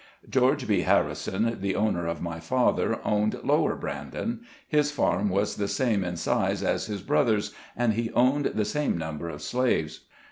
George B. Harrison, the owner of my father, owned Lower Brandon. His farm was the same in size as his brother's and he owned the same number of slaves.